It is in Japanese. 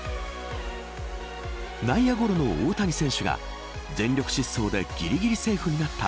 内野ゴロの大谷選手が全力疾走でぎりぎりセーフになった